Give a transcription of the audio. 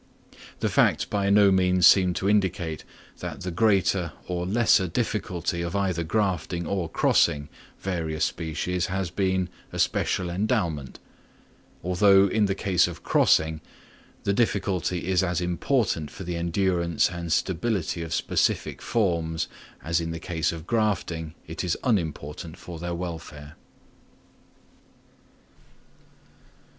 The facts by no means seem to indicate that the greater or lesser difficulty of either grafting or crossing various species has been a special endowment; although in the case of crossing, the difficulty is as important for the endurance and stability of specific forms as in the case of grafting it is unimportant for their welfare.